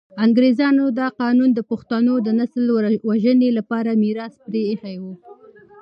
انګریزانو دا قانون د پښتنو د نسل وژنې لپاره میراث پرې ایښی وو.